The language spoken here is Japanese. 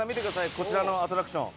こちらのアトラクション。